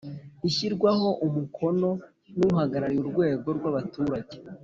ishyirwaho umukono n uhagarariye urwego rw abaturage